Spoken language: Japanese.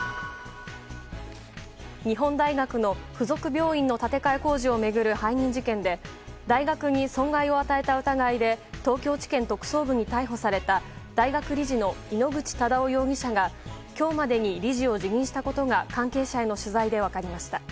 日本大学の付属病院の建て替え工事を巡る背任事件で大学に損害を与えた疑いで東京地検特捜部に逮捕された大学理事の井ノ口忠男容疑者が今日までに理事を辞任したことが関係者への取材で分かりました。